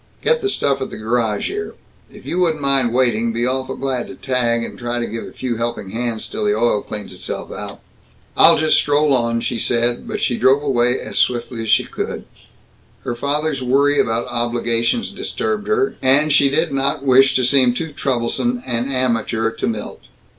Get the stuff at a garage here. If you wouldn't mind waiting, be awful glad to tag, and try to give a few helping hands till the oil cleans itself out." "I'll just stroll on," she said, but she drove away as swiftly as she could. Her father's worry about obligations disturbed her, and she did not wish to seem too troublesome an amateur to Milt.